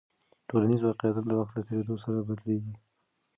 ټولنیز واقیعت د وخت له تېرېدو سره بدلېږي.